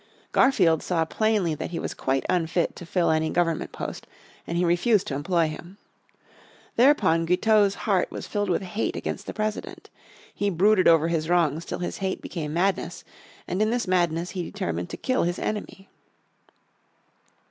Garfield saw plainly that he was quite unfit to fill any government post, and he refused to employ him. Thereupon Guiteau's heart was filled with hate against the President. He brooded over his wrongs till his hate became madness, and in this madness he determined to kill his enemy.